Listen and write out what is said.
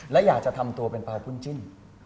และอยากจะทำตัวเป็นปลาคุ้นจิ้น